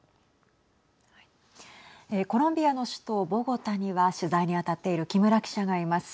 コロンビアの首都ボゴタには取材に当たっている木村記者がいます。